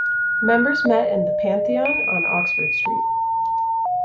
Members met in the Pantheon on Oxford Street.